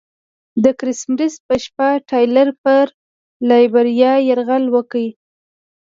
د کرسمس په شپه ټایلر پر لایبیریا یرغل وکړ.